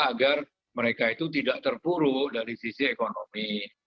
agar mereka itu tidak terpuruk dari sisi ekonomi